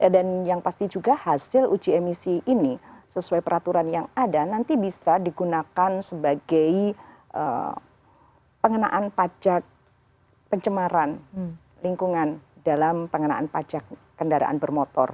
dan yang pasti juga hasil uji emisi ini sesuai peraturan yang ada nanti bisa digunakan sebagai pengenaan pajak pencemaran lingkungan dalam pengenaan pajak kendaraan bermotor